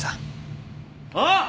あっ！